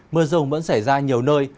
mưa rông vẫn xảy ra nhiều nơi